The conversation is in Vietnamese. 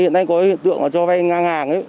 hiện nay có hiện tượng là cho vay ngang hàng ấy